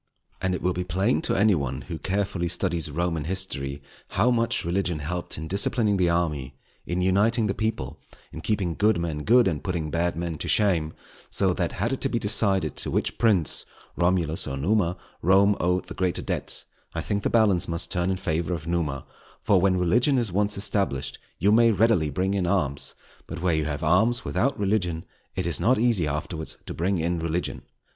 And it will be plain to any one who carefully studies Roman History, how much religion helped in disciplining the army, in uniting the people, in keeping good men good, and putting bad men to shame; so that had it to be decided to which prince, Romulus or Numa, Rome owed the greater debt, I think the balance must turn in favour of Numa; for when religion is once established you may readily bring in arms; but where you have arms without religion it is not easy afterwards to bring in religion.